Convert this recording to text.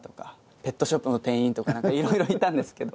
ペットショップの店員とか色々いたんですけど。